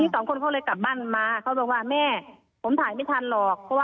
ก็บอกค่ะเพราะว่าเผ็ดแม่ใบนึงค่ะ